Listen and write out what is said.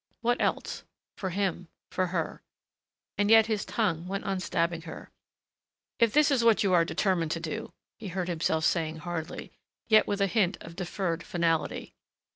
What else? For him? For her? And yet his tongue went on stabbing her. "If this is what you are determined to do " he heard himself saying hardly, yet with a hint of deferred finality.